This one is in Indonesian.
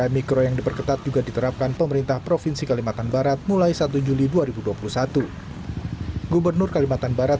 ppk mikro yang diperketat juga diterapkan pemerintah provinsi kalimantan barat